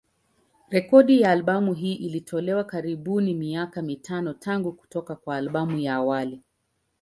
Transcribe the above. Rekodi ya albamu hii ilitolewa karibuni miaka mitano tangu kutoka kwa albamu ya awali.